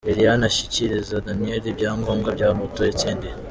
Liliane ashyikiriza Daniel ibyangombwa bya moto yatsindiye.